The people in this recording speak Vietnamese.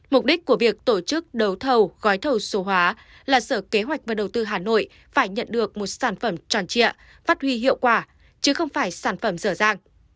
mục đích của việc tổ chức đấu thầu gói thầu số hóa là sở kế hoạch và đầu tư hà nội phải nhận được một sản phẩm tròn trịa phát huy hiệu quả chứ không phải sản phẩm dở dàng